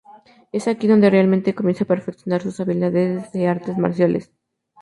Es aquí donde realmente comienza a perfeccionar sus habilidades de artes marciales.